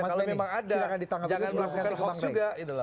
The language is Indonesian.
kalau memang ada jangan melakukan hoax juga